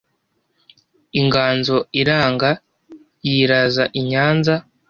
inganzo iranga yiraza i nyanza